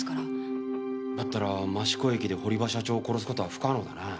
だったら益子駅で堀場社長を殺す事は不可能だな。